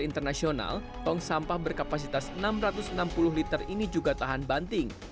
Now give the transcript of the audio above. di internasional tong sampah berkapasitas enam ratus enam puluh liter ini juga tahan banting